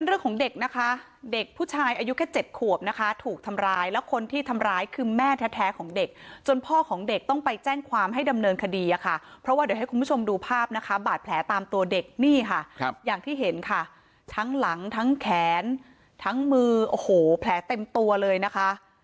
เรื่องของเด็กนะคะเด็กผู้ชายอายุแค่๗ขวบนะคะถูกทำร้ายแล้วคนที่ทำร้ายคือแม่แท้ของเด็กจนพ่อของเด็กต้องไปแจ้งความให้ดำเนินคดีอะค่ะเพราะว่าเดี๋ยวให้คุณผู้ชมดูภาพนะคะบาดแผลตามตัวเด็กนี่ค่ะอย่างที่เห็นค่ะทั้งหลังทั้งแขนทั้งมือโอ้โหแผลเต็มตัวเลยนะคะ